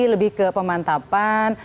lebih ke pemantapan